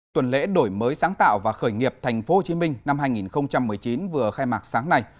tuần lễ đổi mới sáng tạo và khởi nghiệp tp hcm năm hai nghìn một mươi chín vừa khai mạc sáng nay